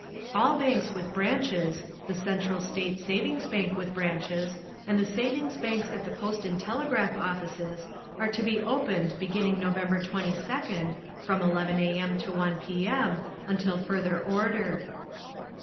All banks with branches, the Central State Savings Bank with branches, and the savings banks at the Post and Telegraph offices are to be opened beginning November 22nd, from 11 A. M. to 1 P. M. until further order.